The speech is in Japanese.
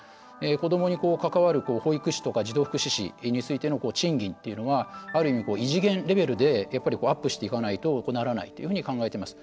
子どもに関わる保育士とか児童福祉士についての賃金がある意味、異次元レベルでアップしていかないとよくならないと考えてます。